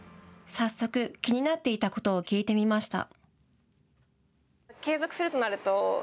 早速、気になっていたことを聞いてみました。